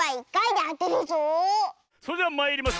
それではまいります！